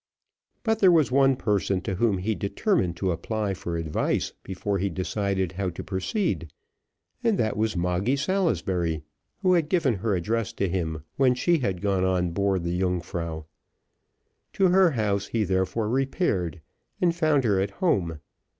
But there was one person to whom he determined to apply for advice before he decided how to proceed, and that was Moggy Salisbury, who had given her address to him when she had gone on board the Yungfrau. To her house he therefore repaired, and found her at home.